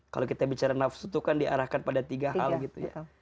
kalau kita bicara nafsu itu kan diarahkan pada tiga hal gitu ya